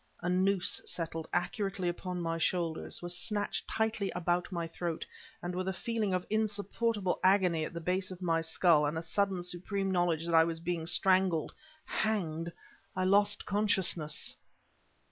A noose settled accurately upon my shoulders, was snatched tightly about my throat, and with a feeling of insupportable agony at the base of my skull, and a sudden supreme knowledge that I was being strangled hanged I lost consciousness!